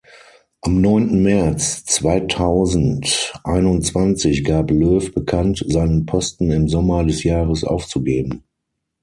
Am neunten März zweitausendeinundzwanzig gab Löw bekannt, seinen Posten im Sommer des Jahres aufzugeben.